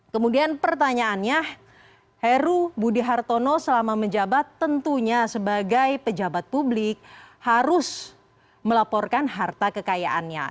kemudian pertanyaannya heru budi hartono selama menjabat tentunya sebagai pejabat publik harus melaporkan harta kekayaannya